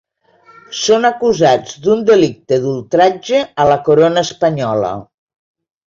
Són acusats d’un delicte d’ultratge a la corona espanyola.